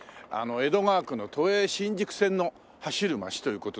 江戸川区の都営新宿線の走る街という事で。